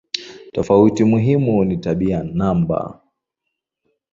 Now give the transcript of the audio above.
Tofauti muhimu ni tabia no.